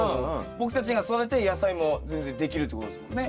僕たちが育てたい野菜も全然できるってことですもんね。